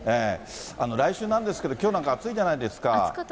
来週なんですが、きょうなんか暑いじゃないですか。